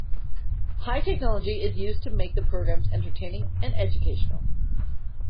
High technology is used to make the programs entertaining and educational.